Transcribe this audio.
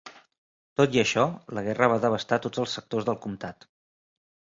Tot i això, la guerra va devastar tots els sectors del comtat.